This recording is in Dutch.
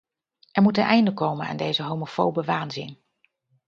Er moet een einde komen aan deze homofobe waanzin.